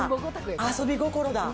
遊び心だ。